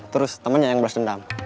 terus temennya yang beras dendam